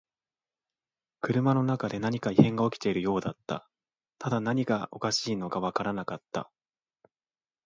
車の中で何か異変が起きているようだった。ただ何がおかしいのかわからなかった。